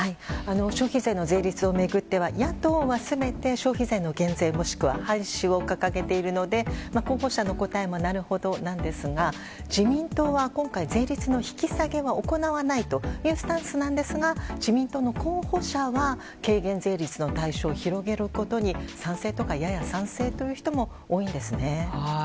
消費税の税率を巡っては野党は全て消費税の減税もしくは廃止を掲げているので候補者の答えもなるほどなんですが自民党は今回、税率の引き下げは行わないというスタンスなんですが自民党の候補者は軽減税率の対象を広げることに賛成とかやや賛成という人も多いんですね。